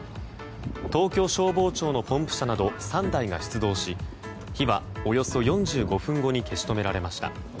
東京消防庁のポンプ車など３台が出動し火はおよそ４５分後に消し止められました。